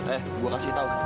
eh gua kasih tau sekarang